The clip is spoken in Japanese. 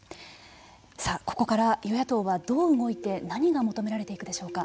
さあここから与野党はどう動いて何が求められていくでしょうか。